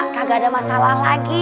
kagak ada masalah lagi